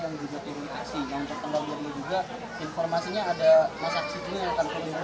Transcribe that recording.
yang terkenal dari mereka informasinya ada masyarakat cikgu yang akan mengirimkan